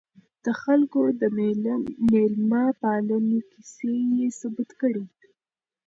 د خلکو د میلمه پالنې کیسې یې ثبت کړې.